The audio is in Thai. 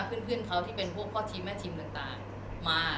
เพื่อนเขาที่เป็นพวกพ่อทีมแม่ทีมต่างมา